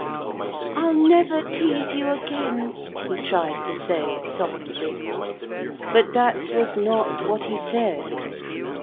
'I'll never tease you again,' he tried to say, softly but that was not what he said.